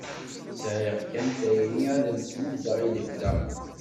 Sɛiɣ kan tayri ad am-tt-muddeɣ i lebda.